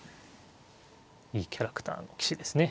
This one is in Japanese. いいキャラクターの棋士ですね。